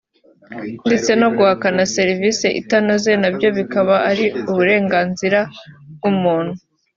ndetse no guhakana serivisi itanoze nabyo bikaba ari uburenganzira bw’umuntu